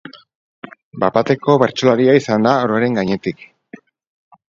Bat-bateko bertsolaria izan da ororen gainetik.